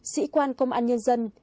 sĩ quan công an nhân dân